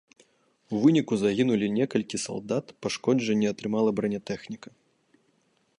У выніку загінулі некалькі салдат, пашкоджанні атрымала бранятэхніка.